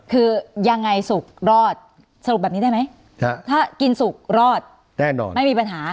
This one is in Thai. คือยังไงสุกรอดสรุปแบบนี้ได้ไหมถ้ากินสุกรอดแน่นอนไม่มีปัญหา